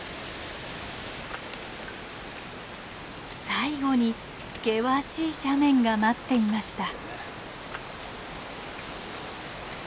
最後に険しい斜面が待っていました。